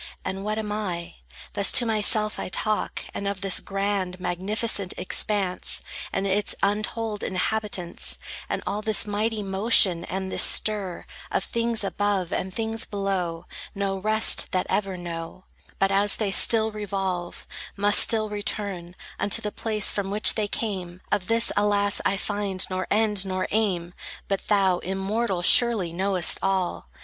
And what am I?" Thus to myself I talk; and of this grand, Magnificent expanse, And its untold inhabitants, And all this mighty motion, and this stir Of things above, and things below, No rest that ever know, But as they still revolve, must still return Unto the place from which they came,— Of this, alas, I find nor end nor aim! But thou, immortal, surely knowest all.